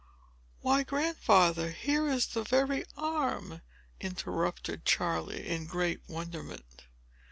"Why, Grandfather, here is the very arm!" interrupted Charley, in great wonderment.